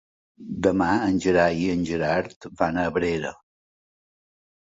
Demà en Gerai i en Gerard van a Abrera.